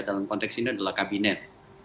dalam konteks ini adalah kabinet